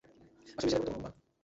আসলে, সেটা গুরুত্বপূর্ণ না।